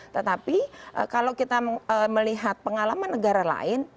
tetapi kalau kita melihat pengalaman negara lain